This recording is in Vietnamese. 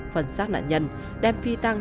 phần xác nạn nhân đem phi tăng